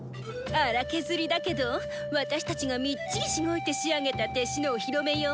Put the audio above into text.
荒削りだけど私たちがみっちりしごいて仕上げた弟子のお披露目よ。